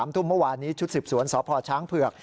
ทุ่มเมื่อวานนี้ชุดสืบสวนสพช้างเผือก